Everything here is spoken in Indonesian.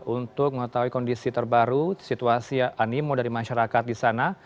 untuk mengetahui kondisi terbaru situasi animo dari masyarakat di sana